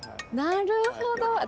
なるほど！